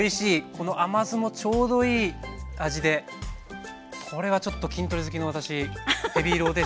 この甘酢もちょうどいい味でこれはちょっと筋トレ好きの私ヘビーローテーションの予感です。